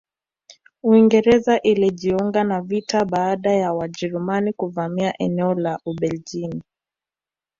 Uingereza ilijiunga na vita baada ya Wajerumani kuvamia eneo la Ubelgiji